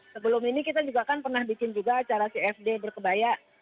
sebelum ini kita juga kan pernah bikin juga acara cfd berkebaya